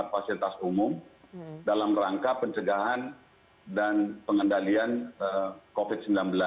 fasilitas umum dalam rangka pencegahan dan pengendalian covid sembilan belas